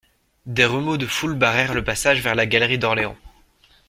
Des remous de foule barrèrent le passage vers la galerie d'Orléans.